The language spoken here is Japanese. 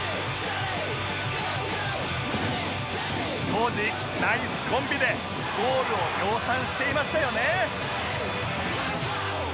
当時ナイスコンビでゴールを量産していましたよね